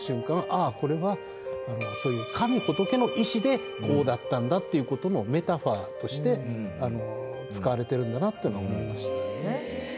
ああこれはそういう神仏の意思でこうだったんだっていう事のメタファーとして使われてるんだなっていうのを思いました。